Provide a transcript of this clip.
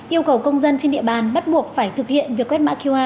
yêu cầu công dân trên địa bàn bắt buộc phải thực hiện việc quét mã qr